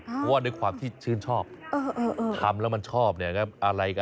เพราะว่าในความที่ชื่นชอบทำแล้วมันชอบเนี่ยนะ